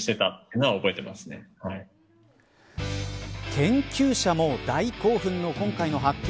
研究者も大興奮の今回の発見。